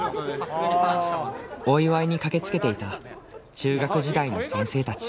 お祝いに駆けつけていた中学時代の先生たち。